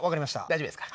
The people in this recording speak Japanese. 大丈夫ですか？